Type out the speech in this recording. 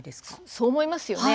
そう思いますよね。